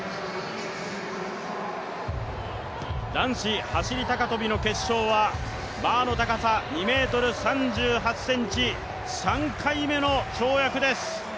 男子走高跳の決勝はバーの高さ２ｍ３８ｃｍ３回目の跳躍です。